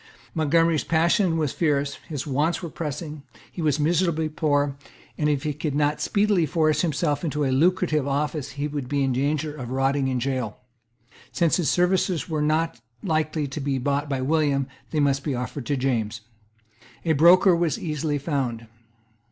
Montgomery's passions were fierce; his wants were pressing; he was miserably poor; and, if he could not speedily force himself into a lucrative office, he would be in danger of rotting in a gaol. Since his services were not likely to be bought by William, they must be offered to James. A broker was easily found.